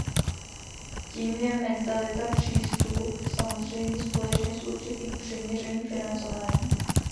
Tím je mentalita, přístup, samozřejmě společně s určitým přiměřeným financováním.